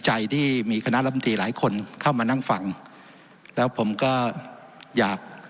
ที่มีคณะลำตีหลายคนเข้ามานั่งฟังแล้วผมก็อยาก